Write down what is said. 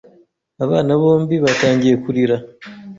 Abana bombi batangiye kurira.